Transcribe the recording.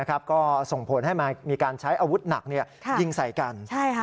ก็ส่งผลให้มีการใช้อาวุธหนักยิงใส่กัน